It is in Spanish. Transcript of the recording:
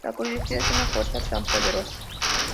La curiosidad es una fuerza tan poderosa.